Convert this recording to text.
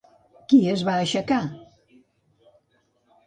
Qui es va aixecar?